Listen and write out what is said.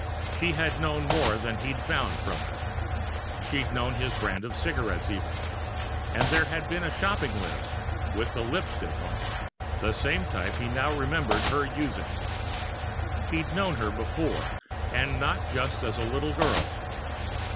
She had known more than he'd found from her she'd known his brand of cigarettes, even. And there had been that shopping list, with the lipstick on it the same type he now remembered her using. He'd known her before and not just as a little girl.